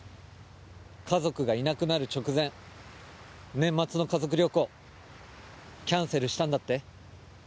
家族がいなくなる直前年末の家族旅行キャンセルしたんだって？